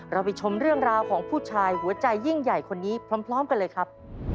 ไปชมเรื่องราวของผู้ชายหัวใจยิ่งใหญ่คนนี้พร้อมกันเลยครับ